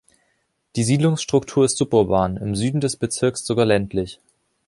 Die Siedlungsstruktur ist suburban, im Süden des Bezirks sogar ländlich.